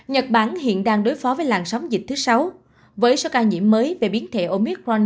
nhật bản hiện đang đối phó với làn sóng dịch thứ sáu với số ca nhiễm mới về biến thể omicron